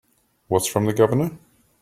What's from the Governor?